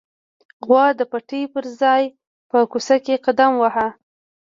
غوا د پټي پر ځای په کوڅه کې قدم واهه.